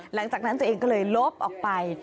หลังจากนั้นตัวเองก็เลยลบออกไป